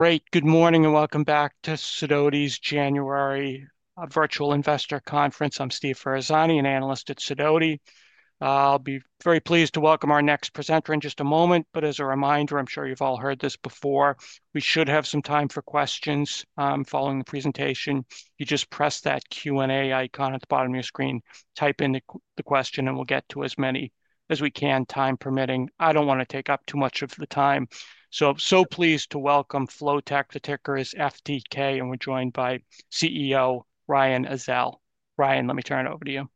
Great. Good morning and welcome back to Sidoti's January Virtual Investor Conference. I'm Steve Ferazani, an analyst at Sidoti. I'll be very pleased to welcome our next presenter in just a moment. But as a reminder, I'm sure you've all heard this before. We should have some time for questions following the presentation. You just press that Q&A icon at the bottom of your screen, type in the question, and we'll get to as many as we can, time permitting. I don't want to take up too much of the time. So, so pleased to welcome Flotek, the ticker is FTK, and we're joined by CEO Ryan Ezell. Ryan, let me turn it over to you.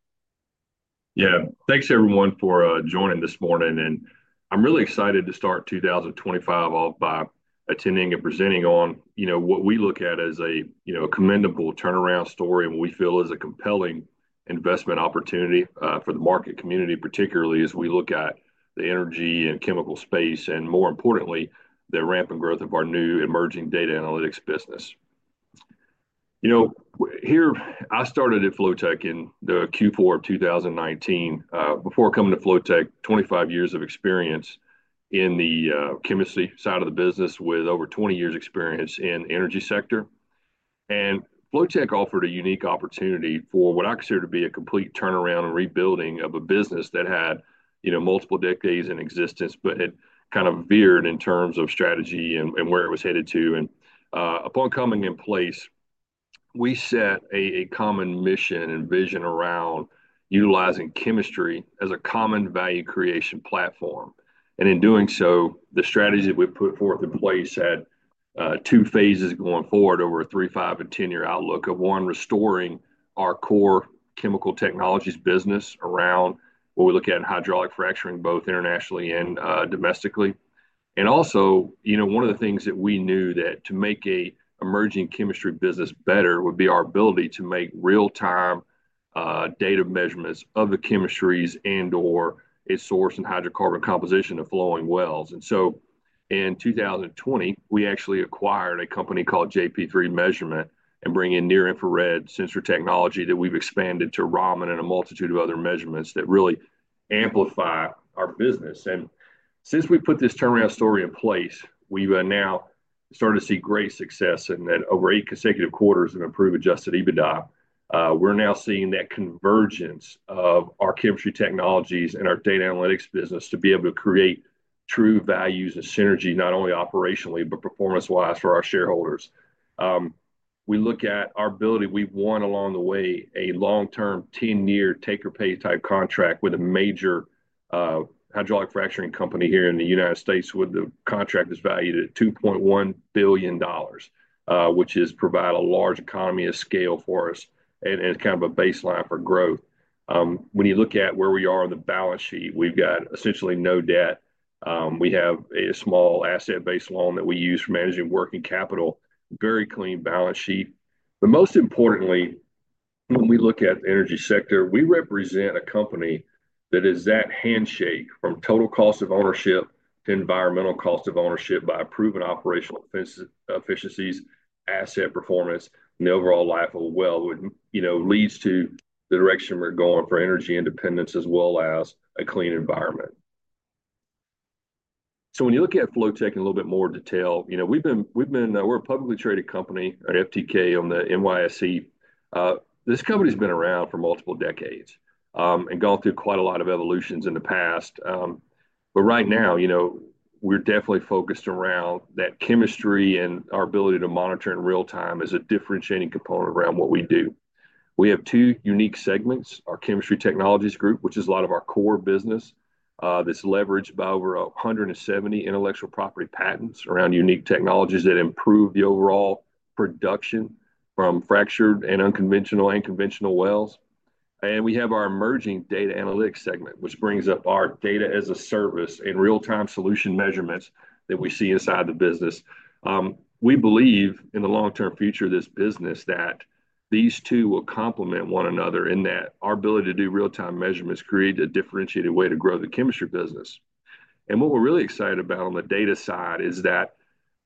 Yeah, thanks everyone for joining this morning. And I'm really excited to start 2025 off by attending and presenting on, you know, what we look at as a, you know, a commendable turnaround story and what we feel is a compelling investment opportunity for the market community, particularly as we look at the energy and chemical space and, more importantly, the rampant growth of our new emerging data analytics business. You know, here, I started at Flotek in the Q4 of 2019. Before coming to Flotek, 25 years of experience in the chemistry side of the business with over 20 years' experience in the energy sector. And Flotek offered a unique opportunity for what I consider to be a complete turnaround and rebuilding of a business that had, you know, multiple decades in existence, but it kind of veered in terms of strategy and where it was headed to. Upon coming in place, we set a common mission and vision around utilizing chemistry as a common value creation platform. In doing so, the strategy that we put forth in place had two phases going forward over a three, five, and 10-year outlook of one, restoring our core chemical technologies business around what we look at in hydraulic fracturing, both internationally and domestically. Also, you know, one of the things that we knew that to make an emerging chemistry business better would be our ability to make real-time data measurements of the chemistries and/or its source and hydrocarbon composition of flowing wells. So, in 2020, we actually acquired a company called JP3 Measurement and bring in near-infrared sensor technology that we've expanded to Raman and a multitude of other measurements that really amplify our business. Since we put this turnaround story in place, we've now started to see great success in that over eight consecutive quarters in improved Adjusted EBITDA. We're now seeing that convergence of our chemistry technologies and our data analytics business to be able to create true values and synergy, not only operationally, but performance-wise for our shareholders. We look at our ability. We've won along the way a long-term ten-year take-or-pay type contract with a major hydraulic fracturing company here in the United States, with the contract valued at $2.1 billion, which has provided a large economy of scale for us and is kind of a baseline for growth. When you look at where we are on the balance sheet, we've got essentially no debt. We have a small asset-based loan that we use for managing working capital. Very clean balance sheet. But most importantly, when we look at the energy sector, we represent a company that is that handshake from total cost of ownership to environmental cost of ownership by improving operational efficiencies, asset performance, and the overall life of a well, which, you know, leads to the direction we're going for energy independence as well as a clean environment. So when you look at Flotek in a little bit more detail, you know, we've been we're a publicly traded company at FTK on the NYSE. This company has been around for multiple decades and gone through quite a lot of evolutions in the past. But right now, you know, we're definitely focused around that chemistry and our ability to monitor in real time as a differentiating component around what we do. We have two unique segments: our chemistry technologies group, which is a lot of our core business, that's leveraged by over 170 intellectual property patents around unique technologies that improve the overall production from fractured and unconventional and conventional wells. And we have our emerging data analytics segment, which brings up our Data as a Service and real-time solution measurements that we see inside the business. We believe in the long-term future of this business that these two will complement one another in that our ability to do real-time measurements creates a differentiated way to grow the chemistry business. What we're really excited about on the data side is that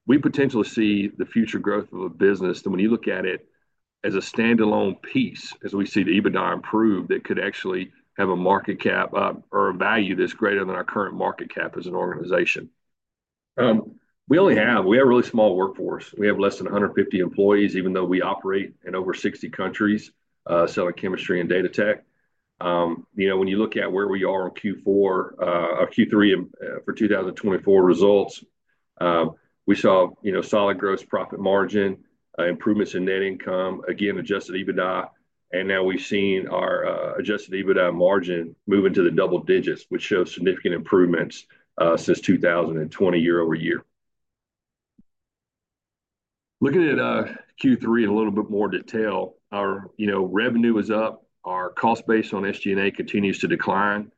we potentially see the future growth of a business that, when you look at it as a standalone piece, as we see the EBITDA improve, that could actually have a market cap or a value that's greater than our current market cap as an organization. We have a really small workforce. We have less than 150 employees, even though we operate in over 60 countries selling chemistry and data tech. You know, when you look at where we are in Q4 or Q3 for 2024 results, we saw, you know, solid gross profit margin, improvements in net income, again, adjusted EBITDA. And now we've seen our adjusted EBITDA margin move into the double digits, which shows significant improvements since 2020 year-over-year. Looking at Q3 in a little bit more detail, our, you know, revenue is up. Our cost base on SG&A continues to decline.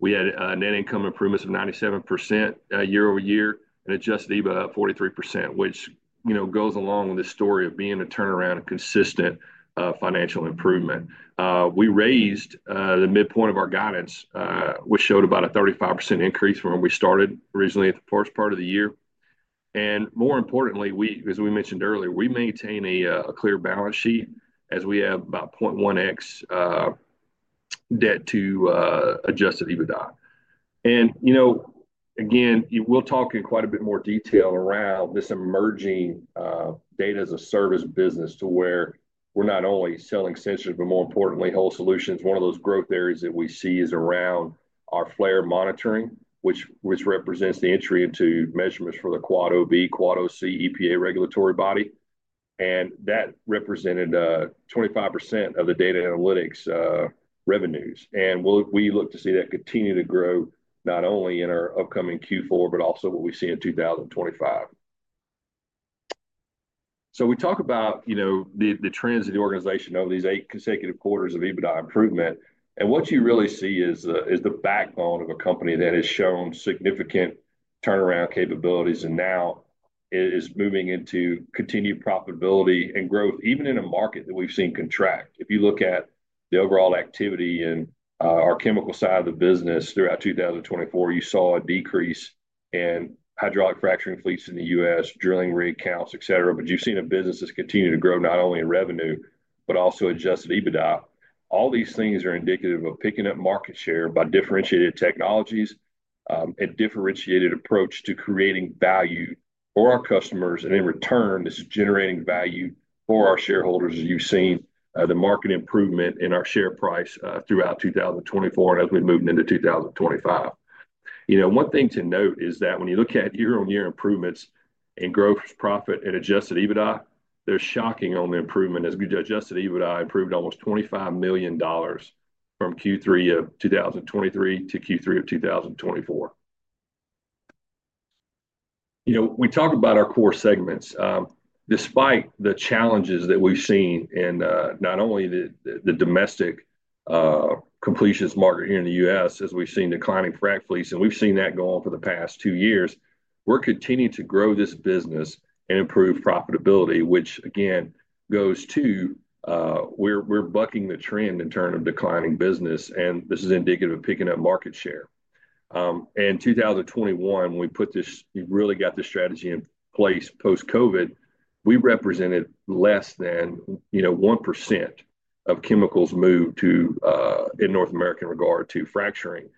We had net income improvements of 97% year-over-year and adjusted EBITDA of 43%, which, you know, goes along with the story of being a turnaround and consistent financial improvement. We raised the midpoint of our guidance, which showed about a 35% increase from where we started originally at the first part of the year, and more importantly, as we mentioned earlier, we maintain a clear balance sheet as we have about 0.1x debt to adjusted EBITDA, and, you know, again, we'll talk in quite a bit more detail around this emerging Data as a Service business to where we're not only selling sensors, but more importantly, whole solutions. One of those growth areas that we see is around our flare monitoring, which represents the entry into measurements for the Quad Ob, Quad Oc, EPA regulatory body, and that represented 25% of the data analytics revenues, and we look to see that continue to grow not only in our upcoming Q4, but also what we see in 2025, so we talk about, you know, the trends of the organization over these eight consecutive quarters of EBITDA improvement, and what you really see is the backbone of a company that has shown significant turnaround capabilities and now is moving into continued profitability and growth, even in a market that we've seen contract. If you look at the overall activity in our chemical side of the business throughout 2024, you saw a decrease in hydraulic fracturing fleets in the U.S., drilling rig counts, et cetera. You've seen a business that's continued to grow not only in revenue, but also Adjusted EBITDA. All these things are indicative of picking up market share by differentiated technologies and differentiated approach to creating value for our customers. In return, this is generating value for our shareholders, as you've seen the market improvement in our share price throughout 2024 and as we've moved into 2025. You know, one thing to note is that when you look at year-on-year improvements in gross profit and Adjusted EBITDA, they're shocking on the improvement. As we do, Adjusted EBITDA improved almost $25 million from Q3 of 2023 to Q3 of 2024. You know, we talk about our core segments. Despite the challenges that we've seen in not only the domestic completions market here in the U.S., as we've seen declining frac fleets, and we've seen that go on for the past two years, we're continuing to grow this business and improve profitability, which, again, goes to where we're bucking the trend in terms of declining business, and this is indicative of picking up market share. In 2021, when we put this, we really got this strategy in place post-COVID, we represented less than, you know, 1% of chemicals moved to, in North America, in regard to fracturing.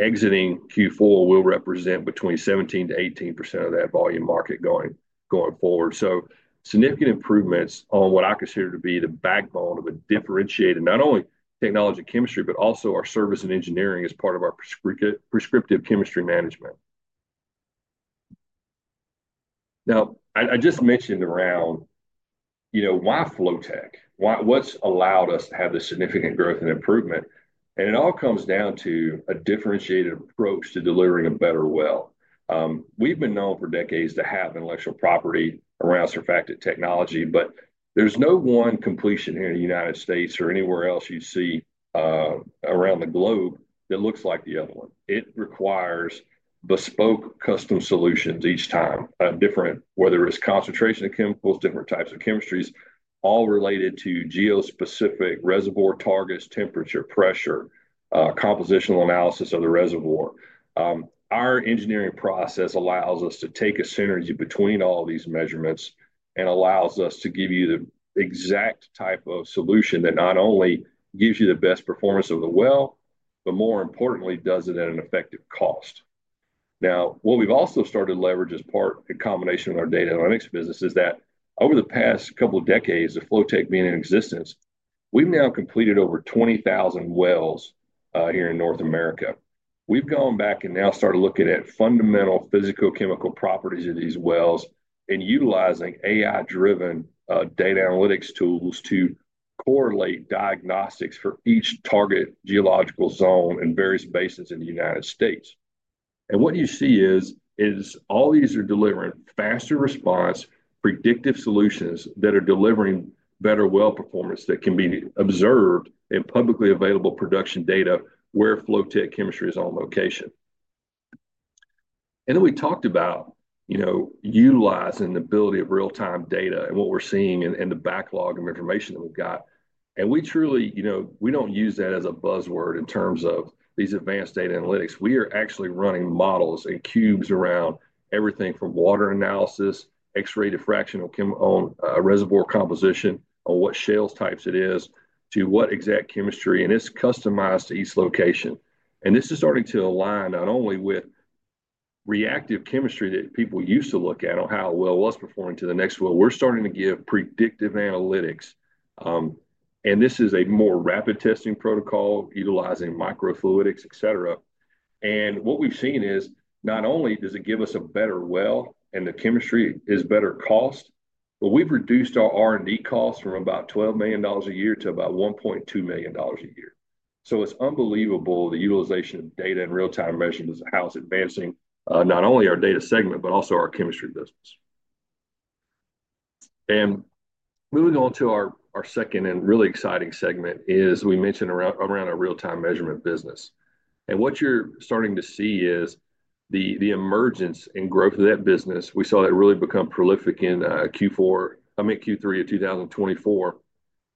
Exiting Q4 will represent between 17%-18% of that volume market going forward, so significant improvements on what I consider to be the backbone of a differentiated, not only technology chemistry, but also our service and engineering as part of our Prescriptive Chemistry Management. Now, I just mentioned around, you know, why Flotek, what's allowed us to have this significant growth and improvement, and it all comes down to a differentiated approach to delivering a better well. We've been known for decades to have intellectual property around surfactant technology, but there's no one completion here in the United States or anywhere else you see around the globe that looks like the other one. It requires bespoke custom solutions each time, different, whether it's concentration of chemicals, different types of chemistries, all related to geo-specific reservoir targets, temperature, pressure, compositional analysis of the reservoir. Our engineering process allows us to take a synergy between all these measurements and allows us to give you the exact type of solution that not only gives you the best performance of the well, but more importantly, does it at an effective cost. Now, what we've also started to leverage as part of a combination of our data and our next business is that over the past couple of decades, of Flotek being in existence, we've now completed over 20,000 wells here in North America. We've gone back and now started looking at fundamental physicochemical properties of these wells and utilizing AI-driven data analytics tools to correlate diagnostics for each target geological zone and various basins in the United States. And what you see is all these are delivering faster response, predictive solutions that are delivering better well performance that can be observed in publicly available production data where Flotek Chemistry is on location. And then we talked about, you know, utilizing the ability of real-time data and what we're seeing in the backlog of information that we've got. We truly, you know, we don't use that as a buzzword in terms of these advanced data analytics. We are actually running models and cubes around everything from water analysis, X-ray diffraction on reservoir composition, on what shale types it is, to what exact chemistry. This is starting to align not only with reactive chemistry that people used to look at on how a well was performing to the next well. We're starting to give predictive analytics. This is a more rapid testing protocol utilizing microfluidics, et cetera. What we've seen is not only does it give us a better well and the chemistry is better cost, but we've reduced our R&D costs from about $12 million a year to about $1.2 million a year. It's unbelievable the utilization of data and real-time measurements is how it's advancing not only our data segment, but also our chemistry business. Moving on to our second and really exciting segment, as we mentioned around our real-time measurement business. What you're starting to see is the emergence and growth of that business. We saw that really become prolific in Q4, I mean, Q3 of 2024.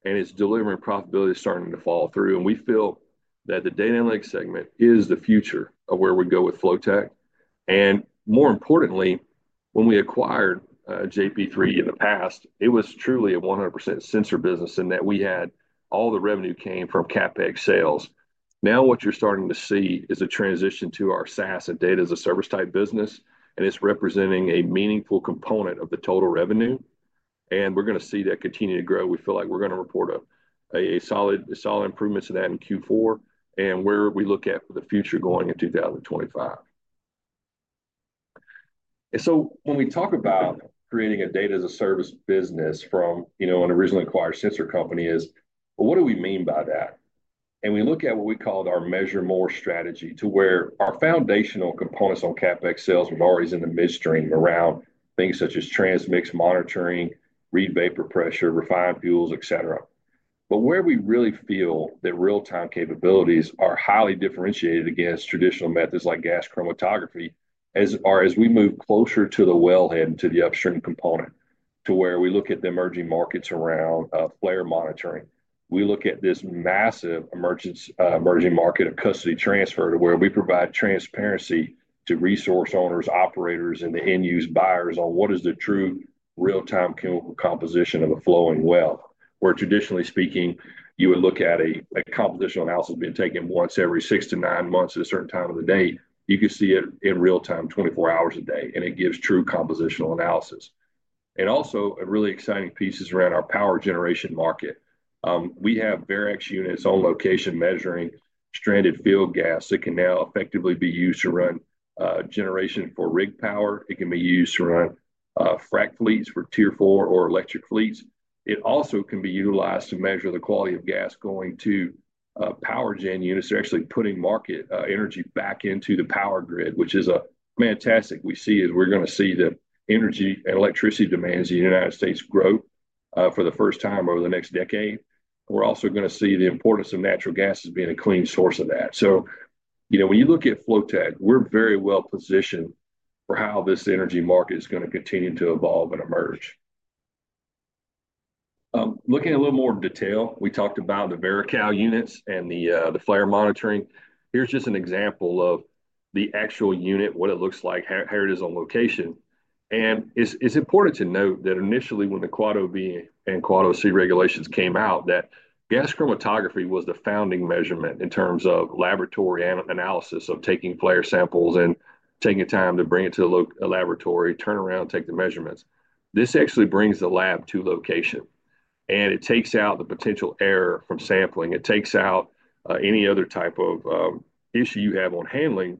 Its delivery and profitability is starting to flow through. We feel that the data analytics segment is the future of where we go with Flotek. More importantly, when we acquired JP3 in the past, it was truly a 100% sensor business in that we had all the revenue came from CapEx sales. Now what you're starting to see is a transition to our SaaS and Data as a Service type business, and it's representing a meaningful component of the total revenue, and we're going to see that continue to grow. We feel like we're going to report a solid improvement to that in Q4 and where we look at for the future going in 2025, and so when we talk about creating a Data as a Service business from, you know, an originally acquired sensor company. Is, well, what do we mean by that, and we look at what we call our measure more strategy to where our foundational components on CapEx sales were already in the midstream around things such as transmix monitoring, Reid vapor pressure, refined fuels, et cetera. But where we really feel that real-time capabilities are highly differentiated against traditional methods like gas chromatography as we move closer to the wellhead and to the upstream component, to where we look at the emerging markets around flare monitoring. We look at this massive emerging market of custody transfer to where we provide transparency to resource owners, operators, and the end-use buyers on what is the true real-time chemical composition of a flowing well, where traditionally speaking, you would look at a compositional analysis being taken once every six to nine months at a certain time of the day. You could see it in real time, 24 hours a day, and it gives true compositional analysis. And also a really exciting piece is around our power generation market. We have Verax units on location measuring stranded field gas that can now effectively be used to run generation for rig power. It can be used to run Frac fleets for Tier 4 or electric fleets. It also can be utilized to measure the quality of gas going to power gen units. They're actually putting market energy back into the power grid, which is fantastic. We see we're going to see the energy and electricity demands in the United States grow for the first time over the next decade. We're also going to see the importance of natural gas as being a clean source of that. So, you know, when you look at Flotek, we're very well positioned for how this energy market is going to continue to evolve and emerge. Looking at a little more detail, we talked about the Verax units and the flare monitoring. Here's just an example of the actual unit, what it looks like, how it is on location, and it's important to note that initially when the Quad Ob and Quad Oc regulations came out, that gas chromatography was the founding measurement in terms of laboratory analysis of taking flare samples and taking time to bring it to the laboratory, turn around, take the measurements. This actually brings the lab to location, and it takes out the potential error from sampling. It takes out any other type of issue you have on handling,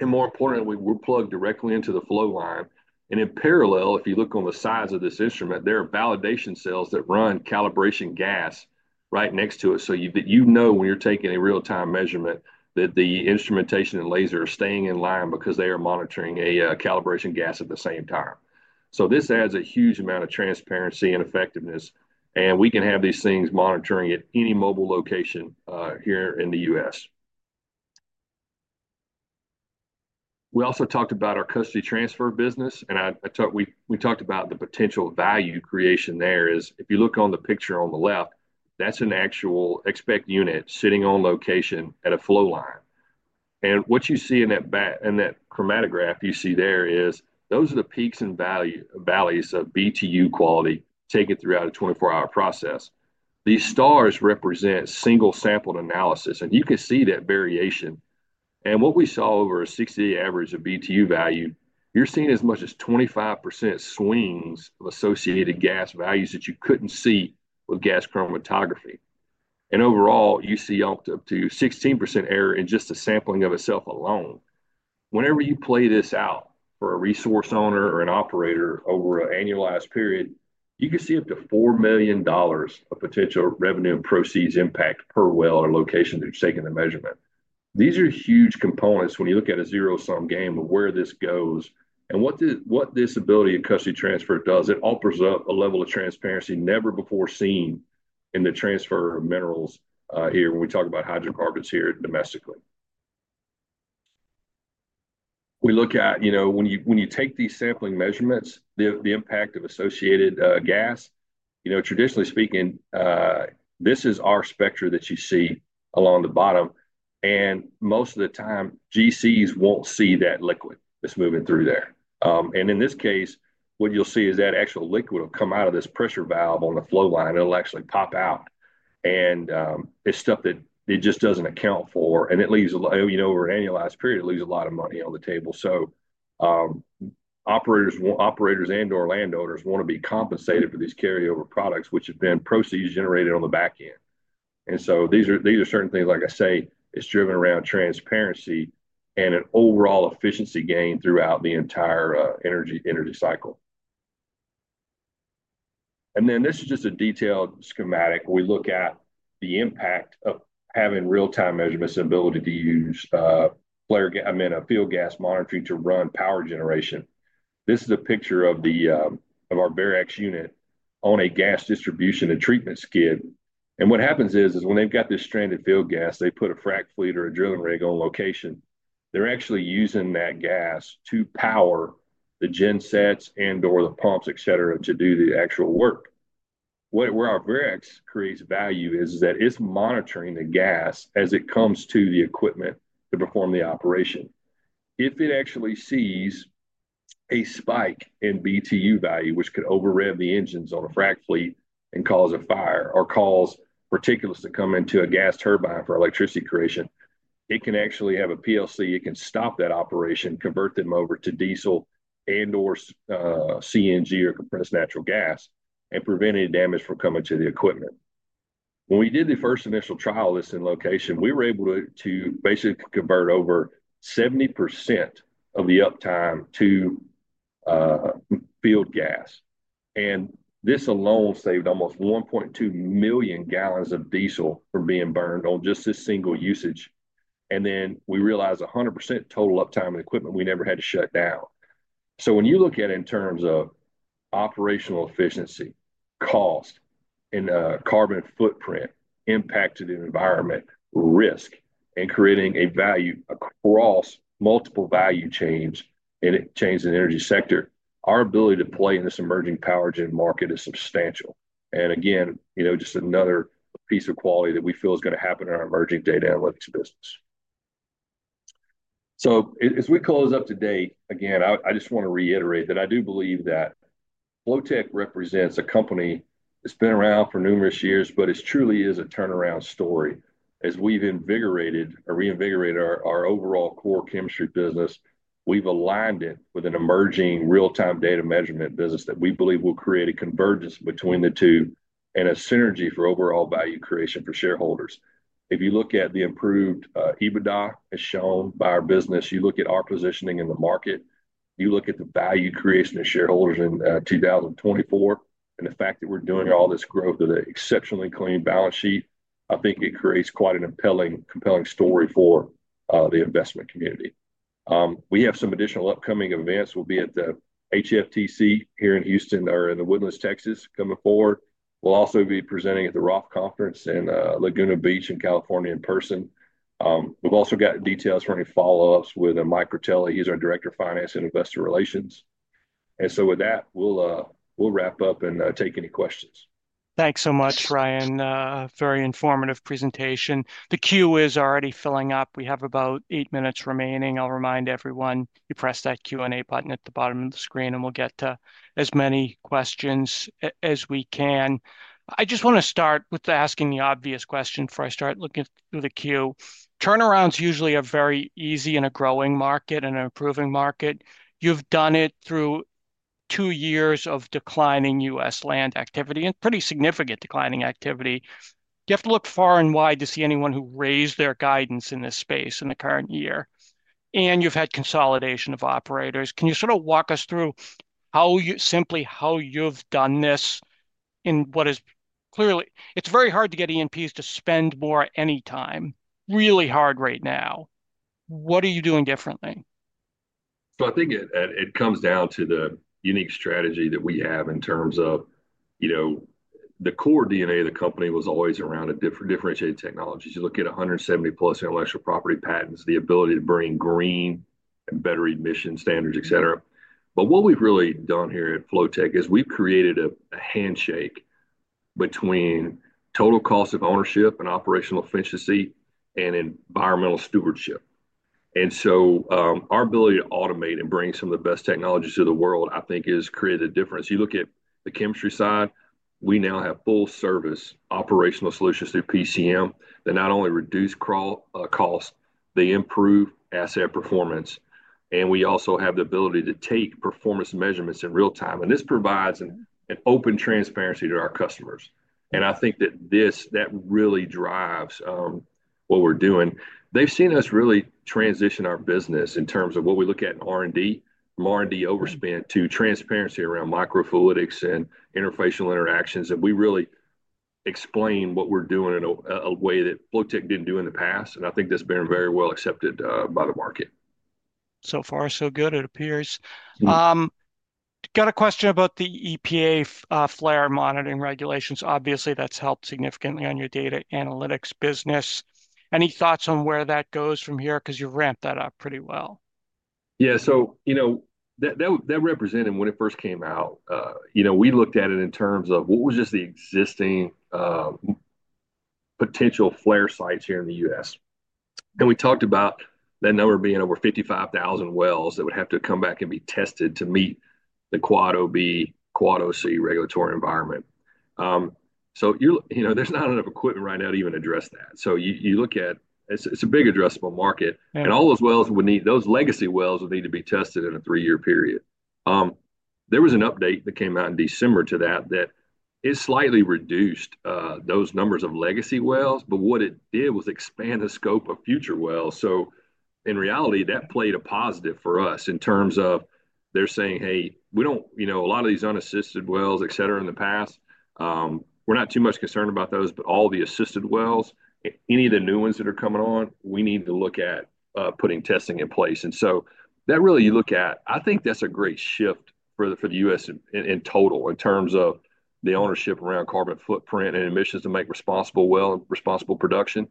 and more importantly, we're plugged directly into the flow line, and in parallel, if you look on the sides of this instrument, there are validation cells that run calibration gas right next to it. So you know when you're taking a real-time measurement that the instrumentation and laser are staying in line because they are monitoring a calibration gas at the same time. So this adds a huge amount of transparency and effectiveness. And we can have these things monitoring at any mobile location here in the U.S. We also talked about our custody transfer business. And I talked about the potential value creation there is if you look on the picture on the left, that's an actual expect unit sitting on location at a flow line. And what you see in that chromatograph there are the peaks and valleys of BTU quality taken throughout a 24-hour process. These stars represent single sampled analysis. And you can see that variation. What we saw over a 60-day average of BTU value, you're seeing as much as 25% swings of associated gas values that you couldn't see with gas chromatography. And overall, you see up to 16% error in just the sampling of itself alone. Whenever you play this out for a resource owner or an operator over an annualized period, you could see up to $4 million of potential revenue and proceeds impact per well or location that you're taking the measurement. These are huge components when you look at a zero-sum game of where this goes and what this ability of custody transfer does. It offers up a level of transparency never before seen in the transfer of minerals here when we talk about hydrocarbons here domestically. We look at, you know, when you take these sampling measurements, the impact of associated gas. You know, traditionally speaking, this is our spectra that you see along the bottom, and most of the time, GCs won't see that liquid that's moving through there. And in this case, what you'll see is that actual liquid will come out of this pressure valve on the flow line. It'll actually pop out, and it's stuff that it just doesn't account for. And it leaves, you know, over an annualized period, a lot of money on the table. So operators and/or landowners want to be compensated for these carryover products, which have been proceeds generated on the back end. And so these are certain things, like I say. It's driven around transparency and an overall efficiency gain throughout the entire energy cycle, and then this is just a detailed schematic. We look at the impact of having real-time measurements and ability to use flare gas, I mean, a field gas monitoring to run power generation. This is a picture of our Verax unit on a gas distribution and treatment skid. What happens is when they've got this stranded field gas, they put a frac fleet or a drill rig on location. They're actually using that gas to power the gensets and/or the pumps, et cetera, to do the actual work. Where our Verax creates value is that it's monitoring the gas as it comes to the equipment to perform the operation. If it actually sees a spike in BTU value, which could overrev the engines on a frac fleet and cause a fire or cause particulates to come into a gas turbine for electricity creation, it can actually have a PLC. It can stop that operation, convert them over to diesel and/or CNG or compressed natural gas, and prevent any damage from coming to the equipment. When we did the first initial trial of this in location, we were able to basically convert over 70% of the uptime to field gas. And this alone saved almost 1.2 million gallons of diesel from being burned on just this single usage. And then we realized 100% total uptime of equipment. We never had to shut down. So when you look at it in terms of operational efficiency, cost, and carbon footprint impacted in environmental risk, and creating a value across multiple value chains, and it changed the energy sector, our ability to play in this emerging power gen market is substantial. And again, you know, just another piece of quality that we feel is going to happen in our emerging data analytics business. So as we close up today, again, I just want to reiterate that I do believe that Flotek represents a company that's been around for numerous years, but it truly is a turnaround story. As we've invigorated or reinvigorated our overall core chemistry business, we've aligned it with an emerging real-time data measurement business that we believe will create a convergence between the two and a synergy for overall value creation for shareholders. If you look at the improved EBITDA as shown by our business, you look at our positioning in the market, you look at the value creation of shareholders in 2024, and the fact that we're doing all this growth with an exceptionally clean balance sheet, I think it creates quite an impelling story for the investment community. We have some additional upcoming events. We'll be at the HFTC here in Houston or in The Woodlands, Texas, coming forward. We'll also be presenting at the Roth Conference in Laguna Beach, California, in person. We've also got details for any follow-ups with Mike Critelli. He's our Director of Finance and Investor Relations. And so with that, we'll wrap up and take any questions. Thanks so much, Ryan. Very informative presentation. The queue is already filling up. We have about eight minutes remaining. I'll remind everyone, you press that Q&A button at the bottom of the screen, and we'll get to as many questions as we can. I just want to start with asking the obvious question before I start looking through the queue. Turnarounds usually are very easy in a growing market and an improving market. You've done it through two years of declining U.S. land activity and pretty significant declining activity. You have to look far and wide to see anyone who raised their guidance in this space in the current year. You've had consolidation of operators. Can you sort of walk us through how you've done this in what is clearly. It's very hard to get E&Ps to spend more anytime. Really hard right now. What are you doing differently? I think it comes down to the unique strategy that we have in terms of, you know, the core DNA of the company was always around differentiated technologies. You look at 170-plus intellectual property patents, the ability to bring green and better emission standards, et cetera. But what we've really done here at Flotek is we've created a handshake between total cost of ownership and operational efficiency and environmental stewardship. And so our ability to automate and bring some of the best technologies to the world, I think, has created a difference. You look at the chemistry side, we now have full-service operational solutions through PCM that not only reduce cost, they improve asset performance. And we also have the ability to take performance measurements in real time. And this provides an open transparency to our customers. And I think that this really drives what we're doing. They've seen us really transition our business in terms of what we look at in R&D, from R&D overspent to transparency around microfluidics and interfacial interactions. And we really explain what we're doing in a way that Flotek didn't do in the past. And I think that's been very well accepted by the market. So far, so good, it appears. Got a question about the EPA flare monitoring regulations. Obviously, that's helped significantly on your data analytics business. Any thoughts on where that goes from here? Because you ramped that up pretty well. Yeah. So, you know, that represented when it first came out, you know, we looked at it in terms of what was just the existing potential flare sites here in the U.S.. And we talked about that number being over 55,000 wells that would have to come back and be tested to meet the Quad Ob, Quad Oc regulatory environment. So you're, you know, there's not enough equipment right now to even address that. So you look at it's a big addressable market. And all those wells would need those legacy wells to be tested in a three-year period. There was an update that came out in December to that, that it slightly reduced those numbers of legacy wells. But what it did was expand the scope of future wells. So in reality, that played a positive for us in terms of they're saying, "Hey, we don't, you know, a lot of these unassisted wells, et cetera, in the past, we're not too much concerned about those. But all the assisted wells, any of the new ones that are coming on, we need to look at putting testing in place." And so that really you look at, I think that's a great shift for the U.S. in total in terms of the ownership around carbon footprint and emissions to make responsible well and responsible production.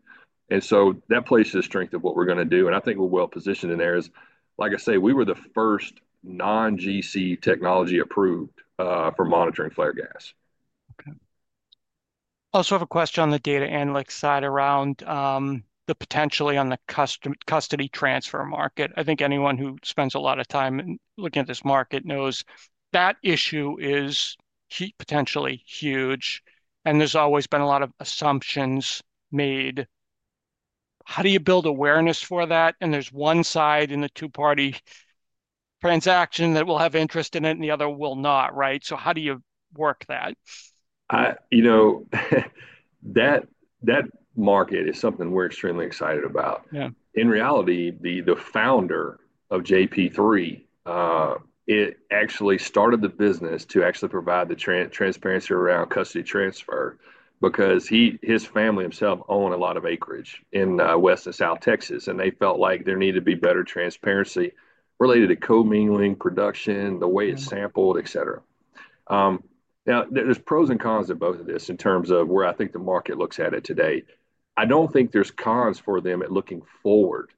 And so that plays to the strength of what we're going to do. And I think we're well positioned in there is, like I say, we were the first non-GC technology approved for monitoring flare gas. Okay. I also have a question on the data analytics side around the potentially on the custody transfer market. I think anyone who spends a lot of time looking at this market knows that issue is potentially huge, and there's always been a lot of assumptions made. How do you build awareness for that? And there's one side in the two-party transaction that will have interest in it and the other will not, right? So how do you work that? You know, that market is something we're extremely excited about. In reality, the founder of JP3, it actually started the business to actually provide the transparency around custody transfer because his family himself owned a lot of acreage in West and South Texas. And they felt like there needed to be better transparency related to co-mingling production, the way it's sampled, et cetera. Now, there's pros and cons of both of these in terms of where I think the market looks at it today. I don't think there's cons for them at looking forward.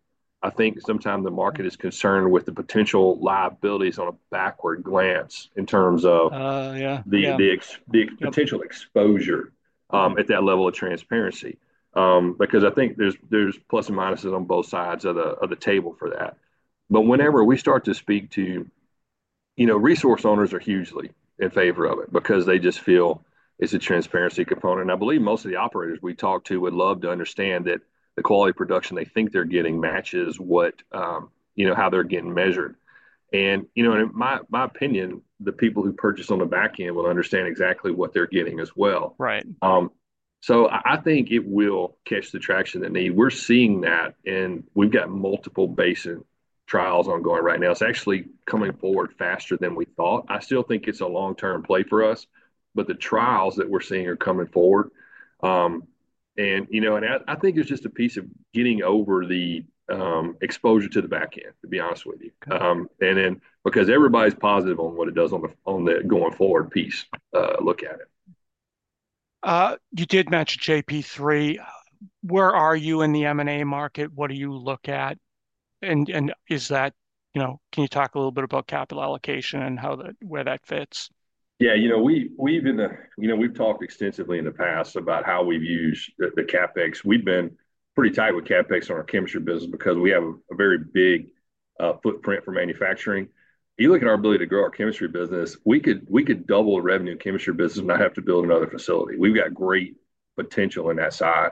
I think sometimes the market is concerned with the potential liabilities on a backward glance in terms of the potential exposure at that level of transparency. Because I think there's pluses and minuses on both sides of the table for that. But whenever we start to speak to, you know, resource owners are hugely in favor of it because they just feel it's a transparency component. And I believe most of the operators we talk to would love to understand that the quality of production they think they're getting matches what, you know, how they're getting measured. And, you know, in my opinion, the people who purchase on the back end will understand exactly what they're getting as well. Right. So I think it will catch the traction they need. We're seeing that. And we've got multiple basin trials ongoing right now. It's actually coming forward faster than we thought. I still think it's a long-term play for us. But the trials that we're seeing are coming forward. And, you know, and I think it's just a piece of getting over the exposure to the back end, to be honest with you. And then because everybody's positive on what it does on the going forward piece, look at it. You did mention JP3. Where are you in the M&A market? What do you look at? And is that, you know, can you talk a little bit about capital allocation and how that where that fits? Yeah. You know, we've been a, you know, we've talked extensively in the past about how we've used the CapEx. We've been pretty tight with CapEx on our chemistry business because we have a very big footprint for manufacturing. You look at our ability to grow our chemistry business, we could double the revenue chemistry business and not have to build another facility. We've got great potential in that side.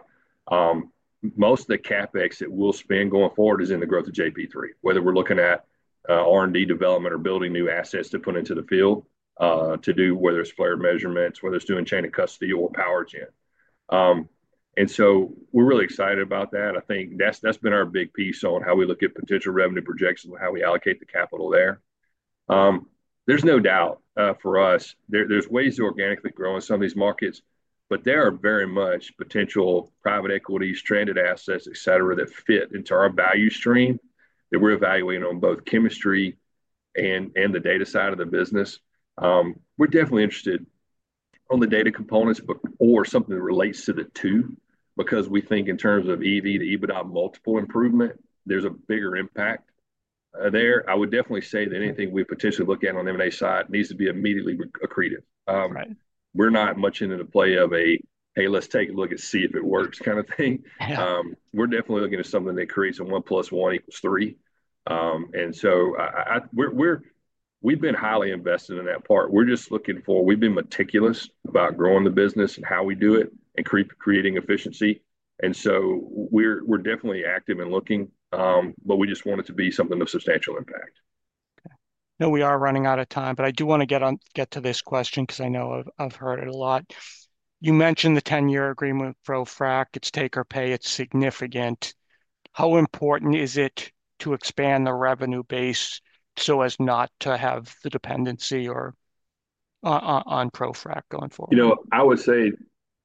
Most of the CapEx that we'll spend going forward is in the growth of JP3, whether we're looking at R&D development or building new assets to put into the field to do whether it's flare measurements, whether it's doing chain of custody or power gen. And so we're really excited about that. I think that's been our big piece on how we look at potential revenue projections and how we allocate the capital there. There's no doubt for us. There's ways to organically grow in some of these markets, but there are very much potential private equities, stranded assets, et cetera, that fit into our value stream that we're evaluating on both chemistry and the data side of the business. We're definitely interested on the data components or something that relates to the two because we think in terms of EV, the EBITDA multiple improvement, there's a bigger impact there. I would definitely say that anything we potentially look at on M&A side needs to be immediately accretive. We're not much into the play of a, "Hey, let's take a look and see if it works," kind of thing. We're definitely looking at something that creates a one plus one equals three. And so we've been highly invested in that part. We're just looking for, we've been meticulous about growing the business and how we do it and creating efficiency. And so we're definitely active in looking, but we just want it to be something of substantial impact. Okay. No, we are running out of time, but I do want to get to this question because I know I've heard it a lot. You mentioned the 10 year agreement with ProFrac. It's take or pay. It's significant. How important is it to expand the revenue base so as not to have the dependency on ProFrac going forward? You know, I would say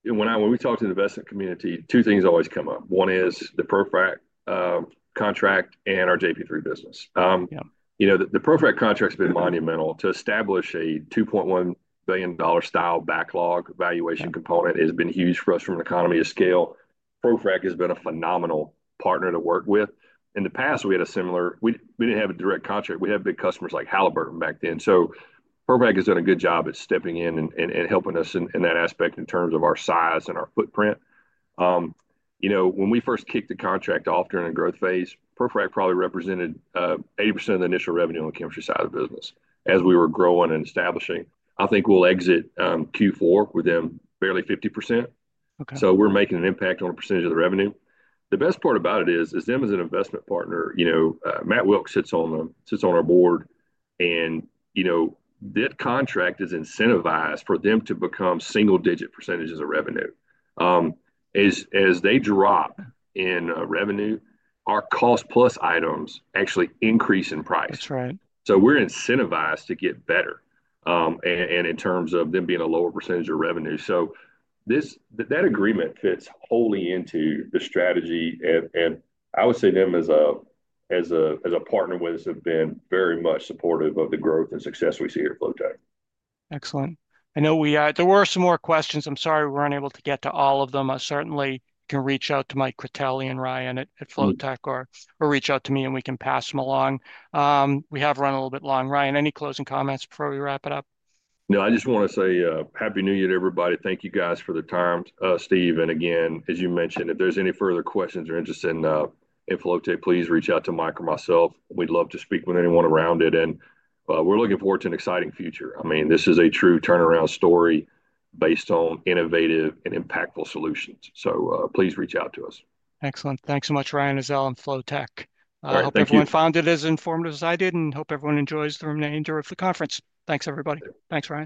when we talk to the investment community, two things always come up. One is the ProFrac contract and our JP3 business. You know, the ProFrac contract has been monumental to establish a $2.1 billion style backlog valuation component. It has been huge for us from an economy of scale. ProFrac has been a phenomenal partner to work with. In the past, we had a similar, we didn't have a direct contract. We had big customers like Halliburton back then. So ProFrac has done a good job at stepping in and helping us in that aspect in terms of our size and our footprint. You know, when we first kicked the contract off during the growth phase, ProFrac probably represented 80% of the initial revenue on the chemistry side of the business as we were growing and establishing. I think we'll exit Q4 with them barely 50%. So we're making an impact on a percentage of the revenue. The best part about it is them as an investment partner, you know, Matt Wilks sits on them, sits on our board. You know, that contract is incentivized for them to become single-digit percent of revenue. As they drop in revenue, our cost plus items actually increase in price. That's right. So we're incentivized to get better and in terms of them being a lower percent of revenue. So that agreement fits wholly into the strategy. And I would say them as a partner with us have been very much supportive of the growth and success we see here at Flotek. Excellent. I know there were some more questions. I'm sorry we weren't able to get to all of them. I certainly can reach out to Mike Critelli and Ryan at Flotek or reach out to me and we can pass them along. We have run a little bit long. Ryan, any closing comments before we wrap it up? No, I just want to say Happy New Year to everybody. Thank you guys for the time, Steve. And again, as you mentioned, if there's any further questions or interest in Flotek, please reach out to Mike or myself. We'd love to speak with anyone around it. And we're looking forward to an exciting future. I mean, this is a true turnaround story based on innovative and impactful solutions. So please reach out to us. Excellent. Thanks so much, Ryan Ezell and Flotek. I hope everyone found it as informative as I did and hope everyone enjoys the remainder of the conference. Thanks, everybody. Thanks so much.